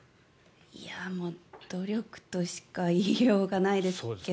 もう、努力としか言いようがないですけど。